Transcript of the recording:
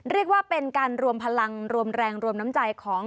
เรียกว่าเป็นการรวมพลังรวมแรงรวมน้ำใจของ